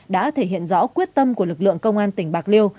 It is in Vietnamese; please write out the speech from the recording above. đã thể hiện rõ quyết tâm của lực lượng công an tỉnh bạc liêu